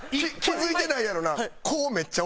気付いてないやろな。